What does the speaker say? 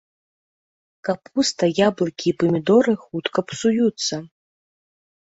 Капуста, яблыкі і памідоры хутка псуюцца.